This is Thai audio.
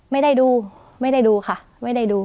ไม่ได้ดูไม่ได้ดูค่ะไม่ได้ดู